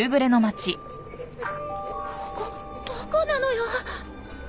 ここどこなのよ。